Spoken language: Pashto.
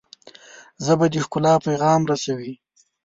ژبه د ښکلا پیغام رسوي